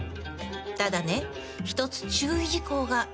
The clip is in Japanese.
ただね一つ注意事項が。